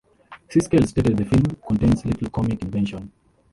Siskel stated The film contains little comic invention.